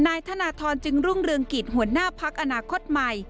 นายธนทรจึงรุ่งเรืองกิจหัวหน้าพักอนาคตใหม่